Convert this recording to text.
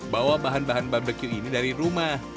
bawa bahan bahan barbecue ini dari rumah